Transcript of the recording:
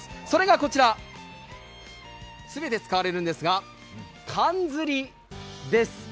それがこちら、全て使われるんですが、かんずりです。